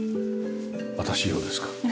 私用ですか？